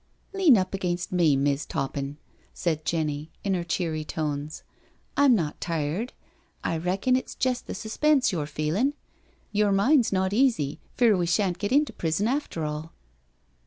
*' Lean up against me. Miss' Toppin," said Jenny in her cheery tones. " I'm not tired — I reckon it's jest the suspense you're feeling. Your mind's not easy, fear we shan't get into prison after all."